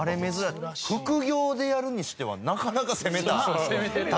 副業でやるにしてはなかなか攻めたたこ焼き。